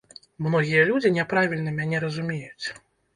Многія людзі няправільна мяне разумеюць.